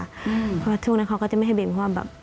เพราะว่าช่วงนั้นเขาก็จะไม่ให้เบนเพราะว่าแบบ